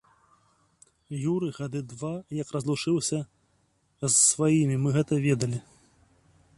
Юры гады два як разлучыўся з сваімі, мы гэта ведалі.